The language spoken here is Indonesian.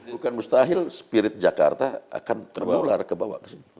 bukan mustahil spirit jakarta akan memular kebawah